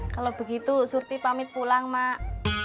kalau begitu surti pamit pulang mak